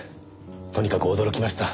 とにかく驚きました。